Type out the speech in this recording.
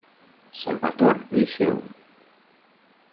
Salvator Lyceum.